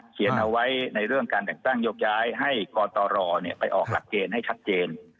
เขียนเอาไว้ในเรื่องการแต่งตั้งยกย้ายให้กตรไปออกหลักเกณฑ์ให้ชัดเจน